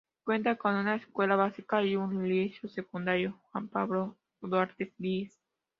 Cuenta con una escuela básica y un Liceo secundario Juan Pablo Duarte y Diez.